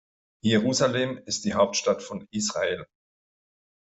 Jerusalem ist die Hauptstadt von Israel.